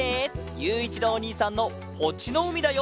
ゆういちろうおにいさんのポチのうみだよ。